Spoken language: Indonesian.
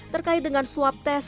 terkait dengan swab test bagi murid